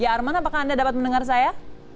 arman apakah anda dapat mendengar saya